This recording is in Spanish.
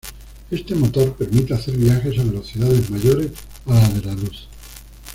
Este motor permite hacer viajes a velocidades mayores a la de la luz.